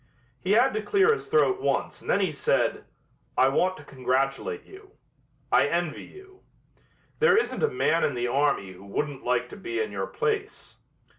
He had to clear his throat once and then he said, "I want to congratulate you. I envy you. There isn't a man in the army who wouldn't like to be in your place.